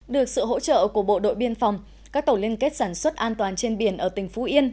được sự hỗ trợ của bộ đội biên phòng các tàu liên kết sản xuất an toàn trên biển ở tỉnh phú yên